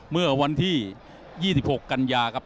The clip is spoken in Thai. เมื่อวันที่๒๖กันยาครับ